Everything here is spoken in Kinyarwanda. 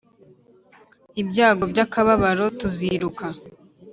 ibyago by'akababaro tuziruka.